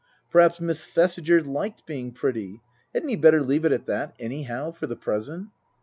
Perhaps Miss Thesiger liked being pretty. Hadn't he better leave it at that, anyhow, for the present